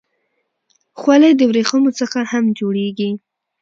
خولۍ د ورېښمو څخه هم جوړېږي.